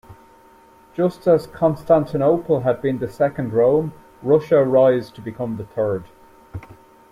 Just as Constantinople had been the Second Rome, Russia rise to become the Third.